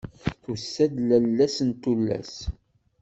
Tusa-d lala-s n tullas.